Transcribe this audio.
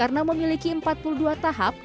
karena memiliki empat puluh dua tahap